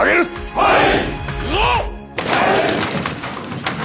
はい！